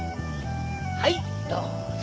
はいどうぞ。